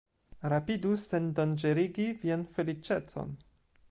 rapidu sendanĝerigi vian feliĉecon!